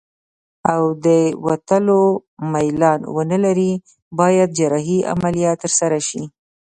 او د وتلو میلان ونلري باید جراحي عملیه ترسره شي.